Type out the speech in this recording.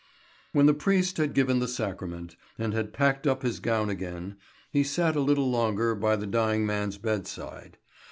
When the priest had given the sacrament, and had packed up his gown again, he sat a little longer by the dying man's bedside.